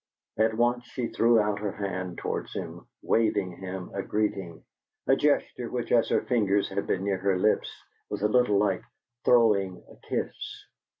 At once she threw out her hand towards him, waving him a greeting a gesture which, as her fingers had been near her lips, was a little like throwing a kiss.